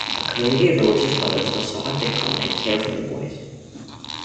A community of Religious Brothers was sought to come and care for the boys.